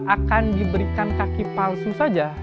akan diberikan kaki palsu saja